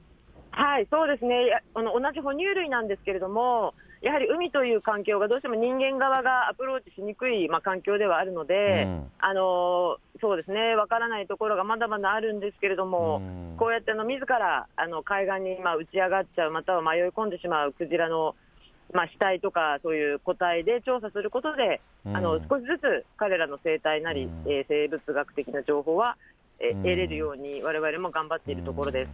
そうですね、同じ哺乳類なんですけれども、やはり海という環境がどうしても人間側がアプローチしにくい環境ではあるので、分からないところがまだまだあるんですけれども、こうやってみずから海岸に打ち上っちゃう、または迷い込んでしまうクジラの死体とか、そういう個体で調査することで、少しずつ彼らの生態なり、生物学的な情報は得れるように、われわれも頑張っているところです。